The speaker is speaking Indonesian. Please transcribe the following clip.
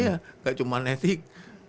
iya gak cuman etik